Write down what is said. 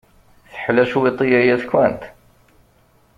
Teḥla cwiṭ yaya-tkent?